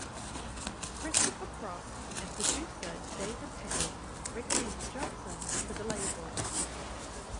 Christopher Cross and producer David Tickle recommended Johnson to the label.